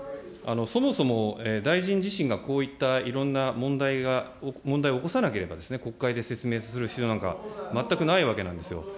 そもそも大臣自身がこういったいろんな問題を起こさなければですね、国会で説明する必要なんか全くないわけなんですよ。